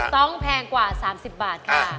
แพงกว่า๓๐บาทค่ะ